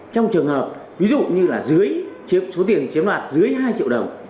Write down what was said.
trong trường hợp ví dụ như là dưới số tiền chiếm đoạt dưới hai triệu đồng